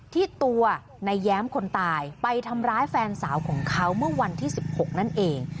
ที่ตัวในแย้มคนตายไปทำร้ายแฟนสาวของเขาเมื่อวันที่๑๖นั่นเอง